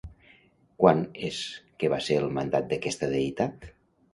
Quan és que va ser el mandat d'aquesta deïtat?